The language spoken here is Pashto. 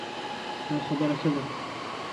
دا خبره ښه ده